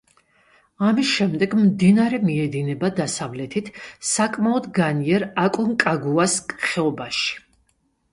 ამის შემდეგ, მდინარე მიედინება დასავლეთით, საკმაოდ განიერ აკონკაგუას ხეობაში.